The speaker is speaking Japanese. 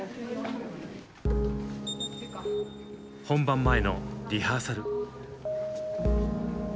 本番前のリハーサル。